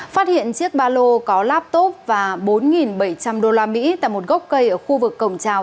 phát hiện chiếc ba lô có laptop và bốn bảy trăm linh usd tại một gốc cây ở khu vực cổng trào